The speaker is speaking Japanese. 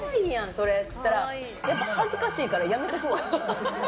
それって言ったらやっぱ恥ずかしいからやめとくわって。